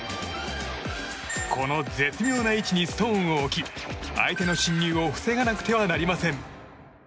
この絶妙な位置にストーンを置き相手の進入を防がなくてはなりません。